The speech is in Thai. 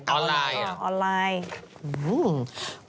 ออนไลน์